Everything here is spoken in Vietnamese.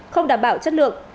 không đảm bảo chất lượng